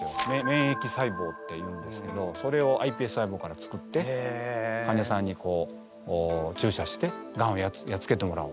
免疫細胞っていうんですけどそれをｉＰＳ細胞から作って患者さんに注射してガンをやっつけてもらおうと。